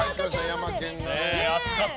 ヤマケン。